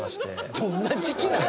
どんな時期なの？